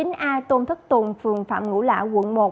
số chín a tôn thất tùng phường phạm ngũ lạ quận một